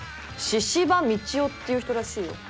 「神々道夫」っていう人らしいよ。